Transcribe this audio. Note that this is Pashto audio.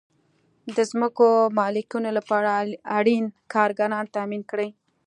د ځمکو مالکینو لپاره اړین کارګران تامین کړئ.